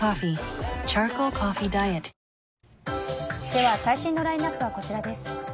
では最新のラインアップはこちらです。